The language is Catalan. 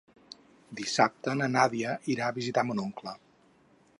Dissabte na Nàdia irà a visitar mon oncle.